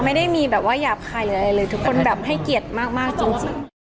ไม่ได้มีแบบว่าหยาบคายหรืออะไรเลยทุกคนแบบให้เกียรติมากจริง